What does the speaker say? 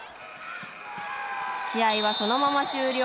試合はそのまま終了。